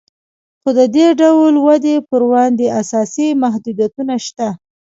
خو د دې ډول ودې پر وړاندې اساسي محدودیتونه شته